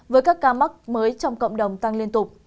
với các ca mắc mới trong cộng đồng tăng liên tục